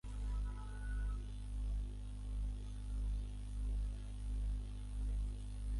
গিলসবোরো গির্জার নরম্যান স্থাপত্যের মধ্যে অ্যাংলো-স্যাক্সন অবশিষ্টাংশ রয়েছে।